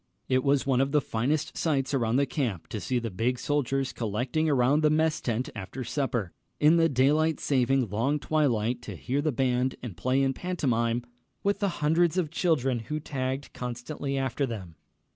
It was one of the finest sights around the camp to see the big soldiers collecting around the mess tent after supper, in the daylight saving long twilight, to hear the band and play in pantomime with the hundreds of children who tagged constantly after them.